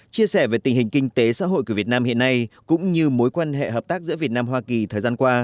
chia sẻ về tình hình kinh tế xã hội của việt nam hiện nay cũng như mối quan hệ hợp tác giữa việt nam hoa kỳ thời gian qua